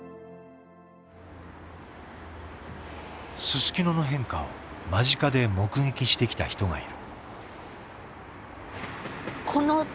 すすきのの変化を間近で目撃してきた人がいる。